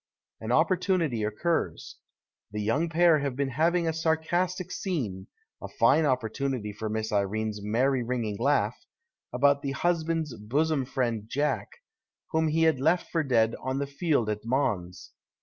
An opportunity occurs. The young pair have been having a sar castic scene (a fine opportunity for Miss Irene's merry ringing laugii) about the husband's bosom friend Jack, whom he had left for dead on the field at Mons.